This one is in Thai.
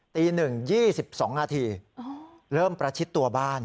ตี๑๒๒นาทีเริ่มประชิดตัวบ้าน